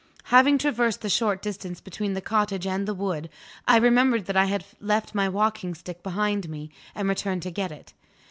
Having traversed the short distance between the cottage and the wood, I remembered that I had left my walking stick behind me, and returned to get it.